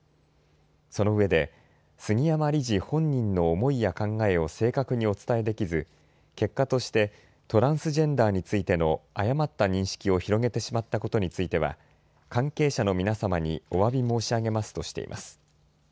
そのうえで杉山理事本人の思いや考えを正確にお伝えできず結果としてトランスジェンダーについての誤った認識を広げてしまったことについては関係者の皆様におわび申し上げますとしています。